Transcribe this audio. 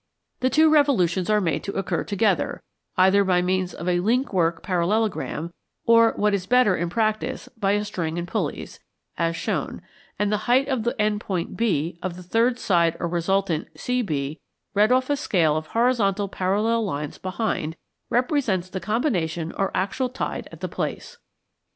The two revolutions are made to occur together, either by means of a link work parallelogram, or, what is better in practice, by a string and pulleys, as shown; and the height of the end point, B, of the third side or resultant, CB, read off on a scale of horizontal parallel lines behind, represents the combination or actual tide at the place.